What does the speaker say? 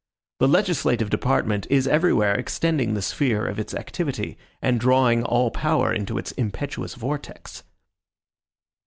The legislative department is everywhere extending the sphere of its activity, and drawing all power into its impetuous vortex.